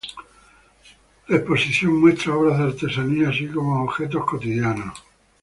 La exposición muestra obras de artesanía, así como objetos cotidianos.